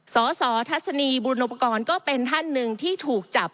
สสทัศนีบุรณปกรณ์ก็เป็นท่านหนึ่งที่ถูกจับ